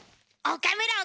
岡村！